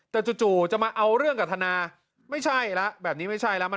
แต่จู่จะมาเอาเรื่องกับธนาไม่ใช่แล้วแบบนี้ไม่ใช่แล้ว